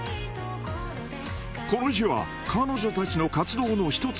この日は彼女たちの活動の１つ。